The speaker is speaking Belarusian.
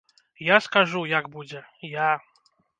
Я скажу, як будзе, я!